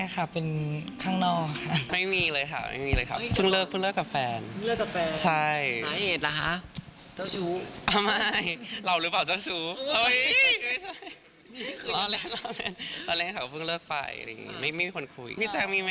ก็เป็นวาเลนไทยดี